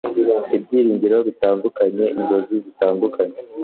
ibyiringiro bitandukanye, inzozi zitandukanye. ”